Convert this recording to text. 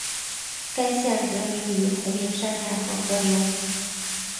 该县得名于同名山脉和河流。